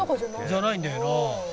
「じゃないんだよなあ」